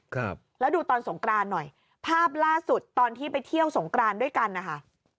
ครับแล้วดูตอนสงกรานหน่อยภาพล่าสุดตอนที่ไปเที่ยวสงกรานด้วยกันนะคะ